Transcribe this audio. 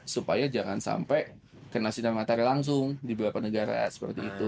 supaya jangan sampai kena sinar matahari langsung di beberapa negara seperti itu